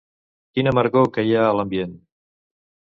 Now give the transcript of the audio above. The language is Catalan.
Quina amargor que hi ha a l'ambient